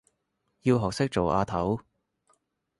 要學識做阿頭